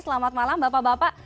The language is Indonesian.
selamat malam bapak bapak